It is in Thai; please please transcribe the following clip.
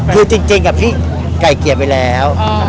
คือจริงกับพี่ไกล่เกียร์ไปแล้ว